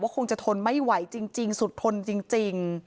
คงจะทนไม่ไหวจริงสุดทนจริง